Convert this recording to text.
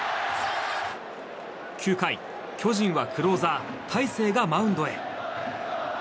９回、巨人はクローザー大勢がマウンドへ。